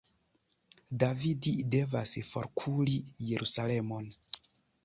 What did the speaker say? David devas forkuri Jerusalemon.